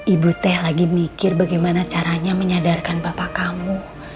ibu teh lagi mikir bagaimana caranya menyadarkan bapak kamu